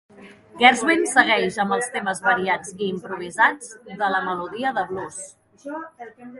Gershwin segueix amb els temes variats i improvisats de la melodia de blues.